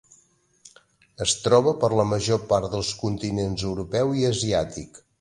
Es troba per la major part dels continents europeu i asiàtic.